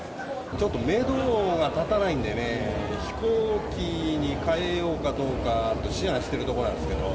ちょっとメドが立たないんでね、飛行機に変えようかどうか、思案しているところなんですけど。